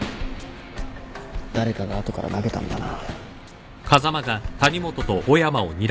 誰かが後から投げたんだな。